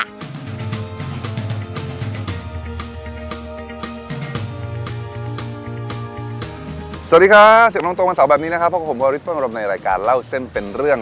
สวัสดีค่ะเสียงตรงวันเสาร์แบบนี้นะครับเพราะกับผมพอริสต์ป้องกันรอบในรายการเล่าเส้นเป็นเรื่อง